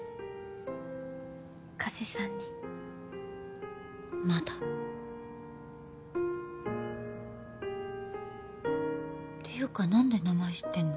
加瀬さんにまだていうか何で名前知ってんの？